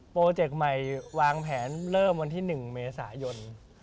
เจกต์ใหม่วางแผนเริ่มวันที่๑เมษายน